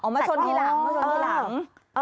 อ๋อมาชนที่หลัง